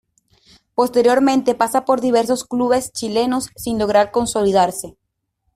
Posteriormente pasa por diversos clubes chilenos, sin lograr consolidarse.